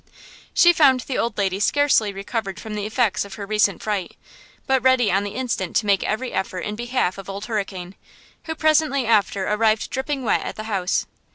She found the old lady scarcely recovered from the effects of her recent fright, but ready on the instant to make every effort in behalf of Old Hurricane, who presently after arrived dripping wet at the house.